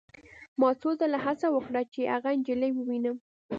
ما څو ځله هڅه وکړه چې هغه نجلۍ ووینم